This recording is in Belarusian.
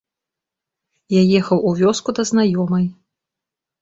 Я ехаў у вёску да знаёмай.